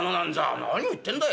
何を言ってんだよ。